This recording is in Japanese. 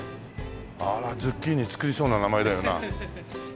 あらズッキーニ作りそうな名前だよな。